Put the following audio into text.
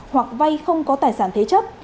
hoặc vây không có tài sản thế chấp